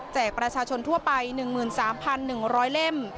ประชาชนทั่วไป๑๓๑๐๐เล่ม